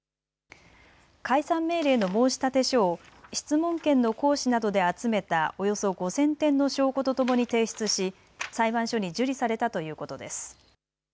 解散命令の申し立て書を質問権の行使などで集めたおよそ５０００点の証拠とともに提出し裁判所に受理されたということです。